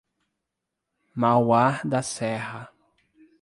Mauá da Serra